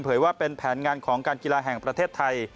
ว่าเป็นแผนงานของการกีฬาแห่งประเทศไทย